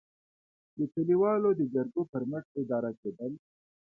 د کلیوالو د جرګو پر مټ اداره کېدل.